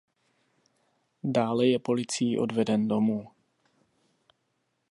Dále je policií odveden domů.